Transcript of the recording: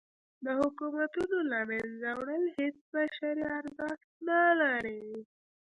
د حکومتونو له منځه وړل هیڅ بشري ارزښت نه لري.